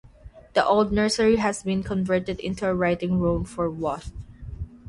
The old nursery had been converted into a writing room for Waugh.